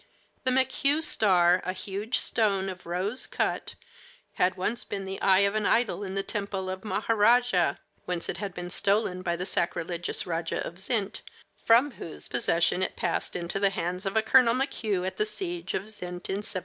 The "McHugh star," a huge stone of rose cut, had once been the eye of an idol in the temple of Majarah, whence it had been stolen by the sacrilegious Rajah of Zinyt, from whose possession it passed into the hands of a Colonel McHugh at the siege of Zinyt in 1707.